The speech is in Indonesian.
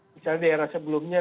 misalnya di era sebelumnya